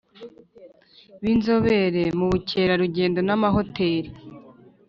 b inzobere mu bukerarugendo n amahoteli